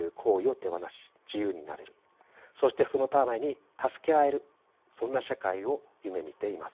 そしてそのために助け合えるそんな社会を夢みています。